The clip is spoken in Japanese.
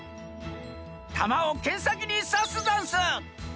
たまをけんさきにさすざんす！